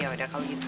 yaudah kalau gitu